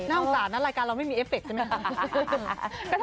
น่าอุตส่าห์นะรายการเราไม่มีเอฟเฟคซ์ใช่ไหมคะ